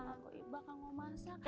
kamu ibak kamu masak